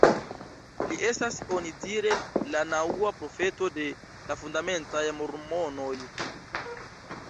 Li estas onidire la naŭa profeto de la fundamentaj mormonoj.